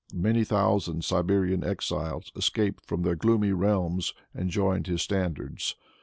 Many thousand Siberian exiles escaped from their gloomy realms and joined his standards.